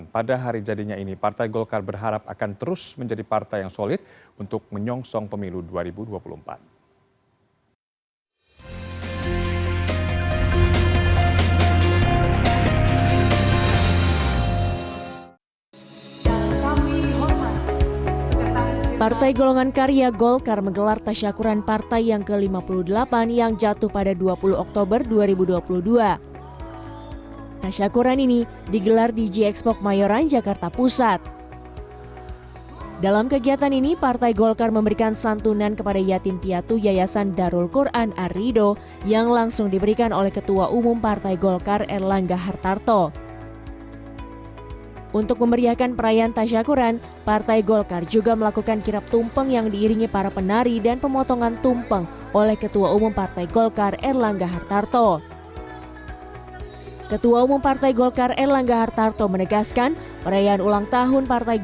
pada hari jadinya ini partai golkar berharap akan terus menjadi partai yang solid untuk menyongsong pemilu dua ribu dua puluh empat